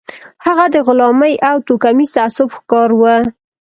هغه د غلامۍ او توکميز تعصب ښکار و